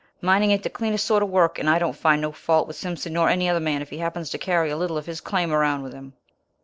"Mining ain't the cleanest sort of work, and I don't find no fault with Simpson nor any other man if he happens to carry a little of his claim around with him."